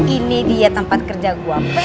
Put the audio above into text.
ini dia tempat kerja gue